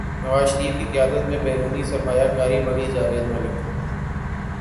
نواز شریف کی قیادت میں بیرونی سرمایہ کاری بڑھی جاوید ملک